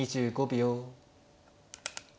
２５秒。